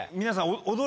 皆さん。